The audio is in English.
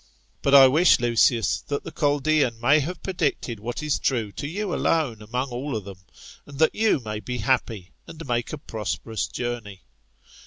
"But I wish, Lucius, that the Chaldean may have predicted what is true to you alone among all of them, and that you may be happy, and nuike a prosperous journey."